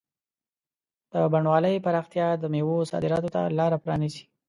د بڼوالۍ پراختیا د مېوو صادراتو ته لاره پرانیزي.